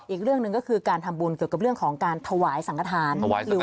อีกเรื่องหนึ่งก็คือการทำบุญเกี่ยวกับเรื่องของการถวายสังกฐาน